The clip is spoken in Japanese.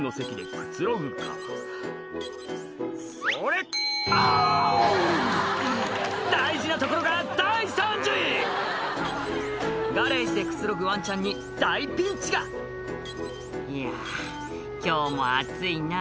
ガレージでくつろぐワンちゃんに大ピンチが「いや今日も暑いな」